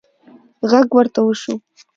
غږ ورته وشو: